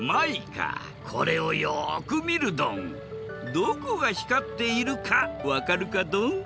どこが光っているかわかるかドン？